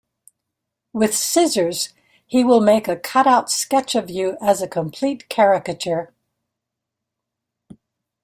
With scissors he will make a cutout sketch of you as a complete caricature.